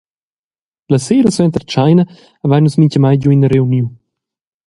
La sera suenter tscheina havein nus mintgamai giu ina reuniun.